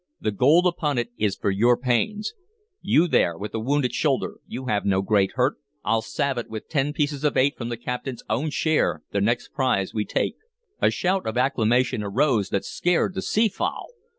The gold upon it is for your pains. You there with the wounded shoulder you have no great hurt. I'll salve it with ten pieces of eight from the captain's own share, the next prize we take." A shout of acclamation arose that scared the sea fowl.